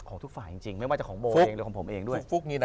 ทุกฝ่ายจริงไม่ว่าจะของโบเองหรือของผมเองด้วย